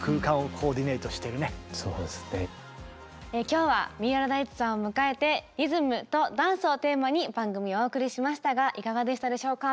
今日は三浦大知さんを迎えて「リズムとダンス」をテーマに番組をお送りしましたがいかがでしたでしょうか？